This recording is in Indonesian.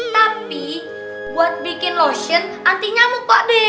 tapi buat bikin lotion anti nyamuk kok deh